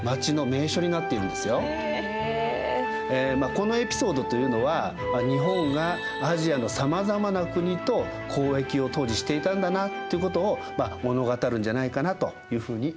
このエピソードというのは日本がアジアのさまざまな国と交易を当時していたんだなということを物語るんじゃないかなというふうに思います。